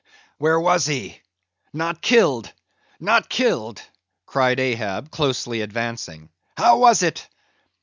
"Where was he?—not killed!—not killed!" cried Ahab, closely advancing. "How was it?"